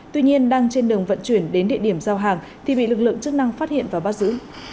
tuy nhiên đang trên đường vận chuyển đến địa điểm giao hàng thì bị lực lượng chức năng phát hiện và bắt giữ